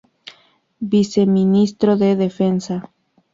Viceministro de Defensa.